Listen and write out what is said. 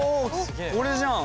これじゃん！